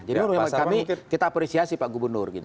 jadi kita apresiasi pak gubernur